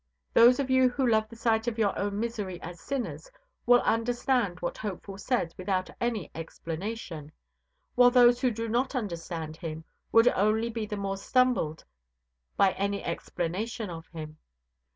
Those of you who love the sight of your own misery as sinners will understand what Hopeful says without any explanation; while those who do not understand him would only be the more stumbled by any explanation of him.